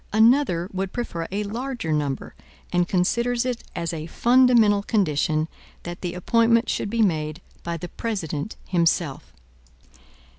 Another would prefer a larger number, and considers it as a fundamental condition that the appointment should be made by the President himself.